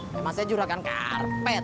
memang saya jurakan karpet